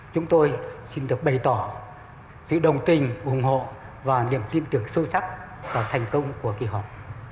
chúng tôi xin được bày tỏ sự đồng tình ủng hộ và niềm tin tưởng sâu sắc vào thành công của kỳ họp